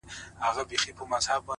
داسي ژوند هم راځي تر ټولو عزتمن به يې’